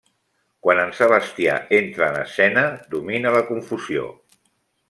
Quan en Sebastià entra en escena, domina la confusió.